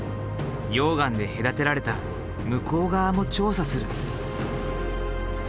溶岩で隔てられた向こう側も調査する。